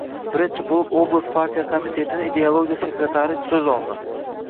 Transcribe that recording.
Birinchi bo‘lib oblast partiya komitetini ideologiya sekretari so‘z oldi: